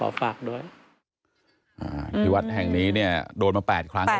ฝากด้วยอ่าที่วัดแห่งนี้เนี่ยโดนมาแปดครั้งแล้ว